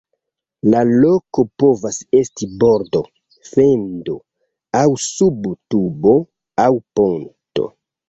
La loko povas esti bordo, fendo aŭ sub tubo aŭ ponto.